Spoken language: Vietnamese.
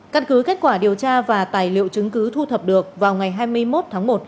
căn cứ kết quả điều tra và tài liệu chứng cứ thu thập được vào ngày hai mươi một tháng một